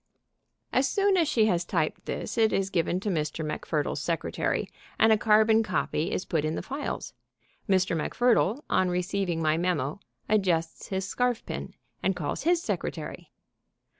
As soon as she has typed this it is given to Mr. MacFurdle's secretary, and a carbon copy is put in the files. Mr. MacFurdle, on receiving my memo, adjusts his scarfpin and calls his secretary.